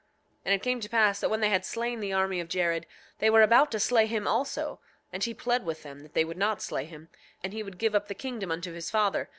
8:6 And it came to pass that when they had slain the army of Jared they were about to slay him also; and he plead with them that they would not slay him, and he would give up the kingdom unto his father.